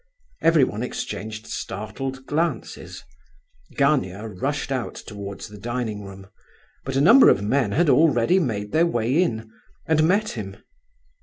Everyone exchanged startled glances. Gania rushed out towards the dining room, but a number of men had already made their way in, and met him.